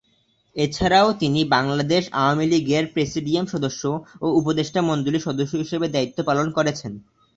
এছাড়াও তিনি বাংলাদেশ আওয়ামী লীগের প্রেসিডিয়াম সদস্য ও উপদেষ্টা মণ্ডলীর সদস্য হিসেবে দায়িত্ব পালন করেছেন।